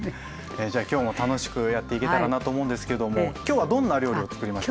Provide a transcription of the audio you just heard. じゃあ今日も楽しくやっていけたらなと思うんですけども今日はどんな料理をつくりましょうか。